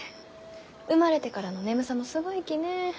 生まれてからの眠さもすごいきね。